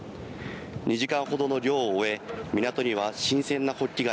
２時間ほどの漁を終え、港には新鮮なホッキ貝